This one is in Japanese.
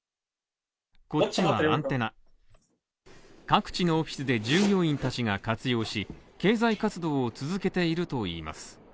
各地のオフィスで従業員たちが活用し経済活動を続けているといいます。